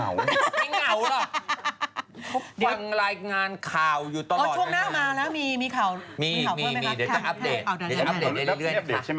เออเอาคืน